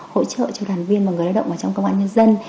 hỗ trợ cho đoàn viên và người lao động ở trong công an nhân dân